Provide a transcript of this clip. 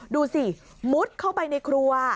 ดูสิมุดเข้าไปในครัว